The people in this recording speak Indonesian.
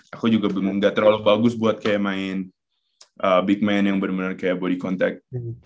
aku juga bingung gak terlalu bagus buat kayak main big man yang benar benar kayak body contact